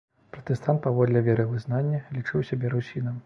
Пратэстант паводле веравызнання, лічыў сябе русінам.